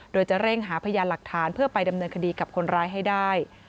โดยจะเร่งหาพยานหลักฐานเพื่อไปดำเนินคดีกับคนร้ายให้ได้